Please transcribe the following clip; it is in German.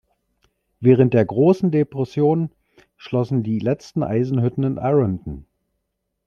Während der Großen Depression schlossen die letzten Eisenhütten in Ironton.